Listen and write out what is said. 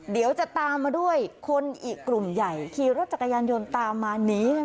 เดี๋ยวจะตามมาด้วยคนอีกกลุ่มใหญ่ขี่รถจักรยานยนต์ตามมาหนี